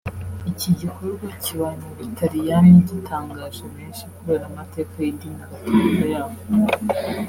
Iki gikorwa kibaye mu Butaliyani gitangaje benshi kubera amateka y’idini gatolika yaho